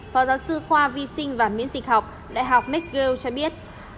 phó giáo sư khoa vi sinh và miễn dịch học đại học mickeal cho biết